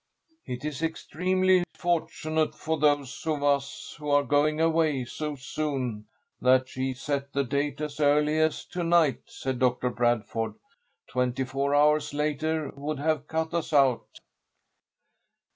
"It is extremely fortunate for those of us who are going away so soon that she set the date as early as to night," said Doctor Bradford. "Twenty four hours later would have cut us out."